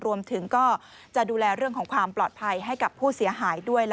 รวมถึงก็จะดูแลเรื่องของความปลอดภัยให้กับผู้เสียหายด้วย